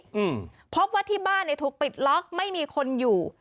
อืมพบว่าที่บ้านเนี้ยถูกปิดล็อกไม่มีคนอยู่